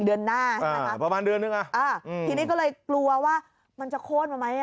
เดือนหน้าใช่ไหมคะอะทีนี้ก็เลยกลัวว่ามันจะโฆ่นมาไหม